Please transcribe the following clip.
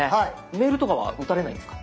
メールとかは打たれないんですか？